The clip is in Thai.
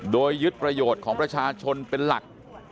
โดยยึดประโยชน์ของประชาชนเป็นหลัก